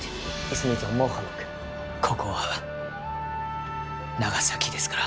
ここは長崎ですから。